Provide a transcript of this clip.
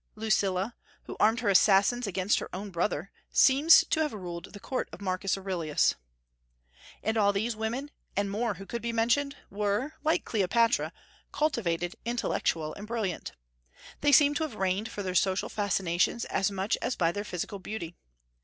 Lucilla, who armed her assassins against her own brother, seems to have ruled the court of Marcus Aurelius. And all these women, and more who could be mentioned, were like Cleopatra cultivated, intellectual, and brilliant. They seem to have reigned for their social fascinations as much as by their physical beauty.